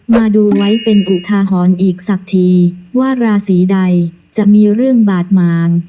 มาดูไว้เป็นอุทาหรณ์อีกสักทีว่าราศีใดจะมีเรื่องบาดหมาง